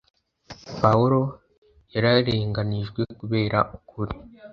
Pawulo yararenganijwe kubera ukuri,